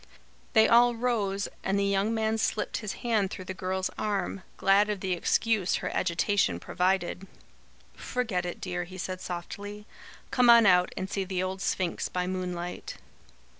They all rose, and the young man slipped his hand through the girl's arm, glad of the excuse her agitation provided. "Forget it, dear," he said softly. "Come on out and see the old Sphinx by moonlight."